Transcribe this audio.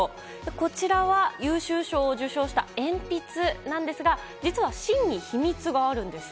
こちらは、優秀賞を受賞した鉛筆なんですが実は芯に秘密があるんです。